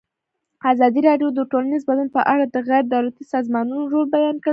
ازادي راډیو د ټولنیز بدلون په اړه د غیر دولتي سازمانونو رول بیان کړی.